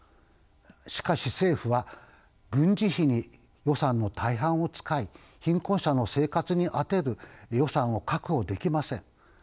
しかし政府は軍事費に予算の大半を使い貧困者の生活に充てる予算を確保できません。